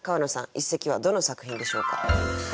一席はどの作品でしょうか？